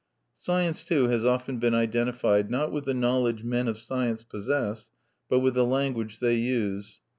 Science, too, has often been identified, not with the knowledge men of science possess, but with the language they use.